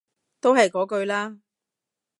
都係嗰句啦